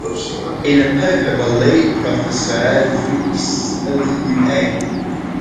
In a paper by late Professor Idrees Aliyu A.